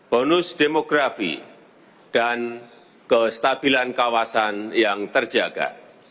bonus demografi dan kestabilan kawasan yang terjaga